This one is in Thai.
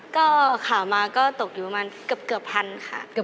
ก็ข่าวมาก็ตกอยู่ประมาณเกือบพันค่ะ